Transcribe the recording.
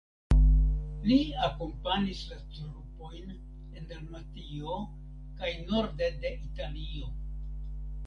Li akompanis la trupojn en Dalmatio kaj norde de Italio.